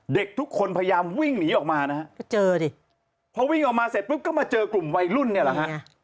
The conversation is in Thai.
เด็กทุกคนพยายามวิ่งหนีออกมานะฮะก็เจอดิพอวิ่งออกมาเสร็จปุ๊บก็มาเจอกลุ่มวัยรุ่นเนี่ยแหละฮะ